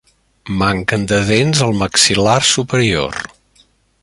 Manquen de dents al maxil·lar superior.